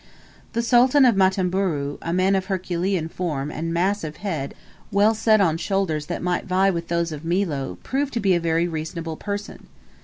The Sultan of Matamburu, a man of herculean form, and massive head well set on shoulders that might vie with those of Milo, proved to be a very reasonable person.